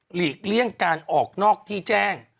หลีกเลี่ยงการออกนอกที่แจ้ง